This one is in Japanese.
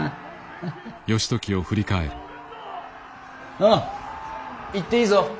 ああ行っていいぞ。